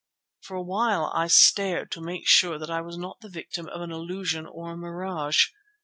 For a while I stared to make sure that I was not the victim of an illusion or a mirage.